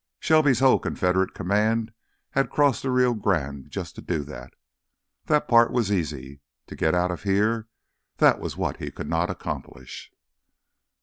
Shelby's whole Confederate command had crossed the Rio Grande to do just that. That part was easy. To get out of here—that was what he could not accomplish.